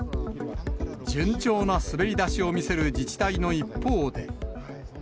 順調な滑り出しを見せる自治体の一方で。